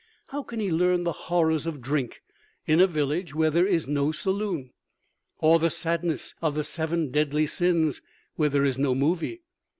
How can he learn the horrors of drink in a village where there is no saloon? Or the sadness of the seven deadly sins where there is no movie?